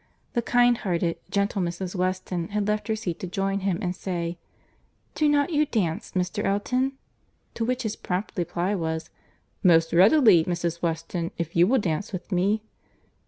—The kind hearted, gentle Mrs. Weston had left her seat to join him and say, "Do not you dance, Mr. Elton?" to which his prompt reply was, "Most readily, Mrs. Weston, if you will dance with me."